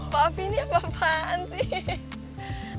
papi ini apaan sih